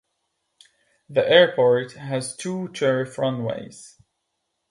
The airport has two turf runways.